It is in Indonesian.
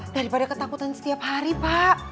daripada ketakutan setiap hari pak